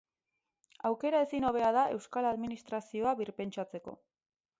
Aukera ezin hobea da euskal administrazioa birpentsatzeko.